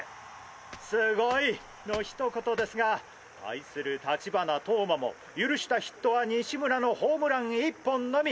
すごい！の一言ですが対する立花投馬も許したヒットは西村のホームラン１本のみ！